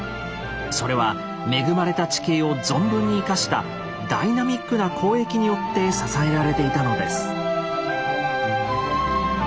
それは恵まれた地形を存分に生かしたダイナミックな交易によって支えられていたのです。